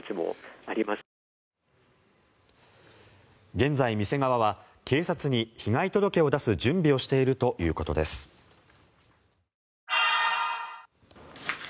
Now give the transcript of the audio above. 現在、店側は警察に被害届を出す準備をしているということです。